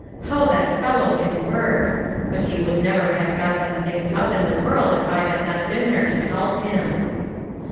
How that fellow can work ! But he would never have got them things up in the world, if I had not been there to help him."